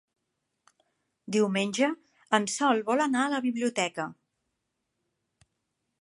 Diumenge en Sol vol anar a la biblioteca.